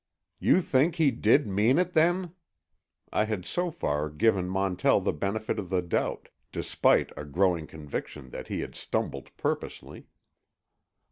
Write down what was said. "You think he did mean it, then?" I had so far given Montell the benefit of the doubt, despite a growing conviction that he had stumbled purposely.